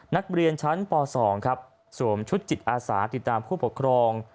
นักเรียนชั้นป๒ครับสวมชุดจิตอาสาติดตามผู้ปกครอง